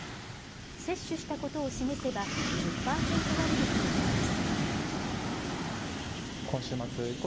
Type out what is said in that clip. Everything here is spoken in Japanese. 接種したことを示せば１０％割引になります。